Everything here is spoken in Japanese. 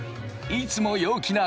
いつも陽気な昴